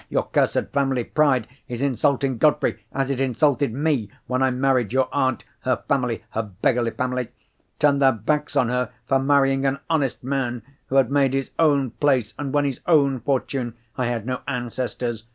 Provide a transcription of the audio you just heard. Your cursed family pride is insulting Godfrey, as it insulted me when I married your aunt. Her family—her beggarly family—turned their backs on her for marrying an honest man, who had made his own place and won his own fortune. I had no ancestors.